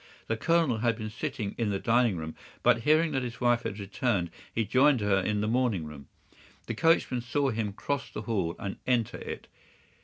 The Colonel had been sitting in the dining room, but hearing that his wife had returned he joined her in the morning room. The coachman saw him cross the hall and enter it.